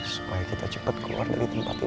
supaya kita cepat keluar dari tempat ini